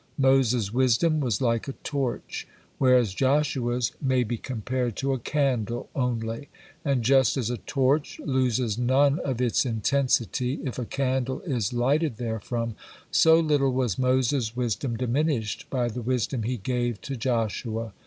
Moses' wisdom was like a torch, whereas Joshua's may be compared to a candle only, and just as a torch loses none of its intensity if a candle is lighted therefrom, so little was Moses' wisdom diminished by the wisdom he gave to Joshua.